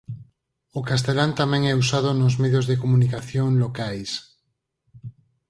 O castelán tamén é usado nos medios de comunicación locais.